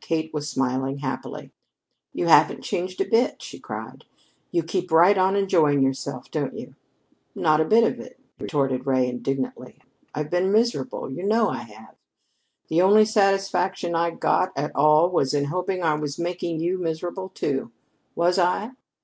Kate was smiling happily. "You haven't changed a bit!" she cried. "You keep right on enjoying yourself, don't you?" "Not a bit of it," retorted Ray indignantly. "I've been miserable! You know I have. The only satisfaction I got at all was in hoping I was making you miserable, too. Was I?"